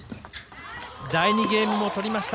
第２ゲームも取りました。